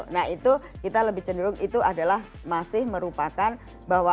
nah itu kita lebih cenderung itu adalah masih merupakan bahwa